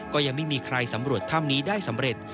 ก็ยังไม่มีใครสำรวจถ้ำนี้ได้สำเร็จ